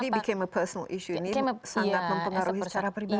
ini jadi isu pribadi sangat mempengaruhi secara pribadi